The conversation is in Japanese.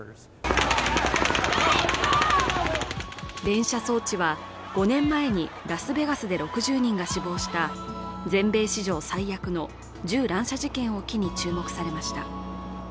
連射装置は５年前にラスベガスで６０人が死亡した全米史上最悪の銃乱射事件を機に注目されました。